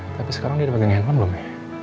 tapi sekarang dia udah panggil handphone belum ya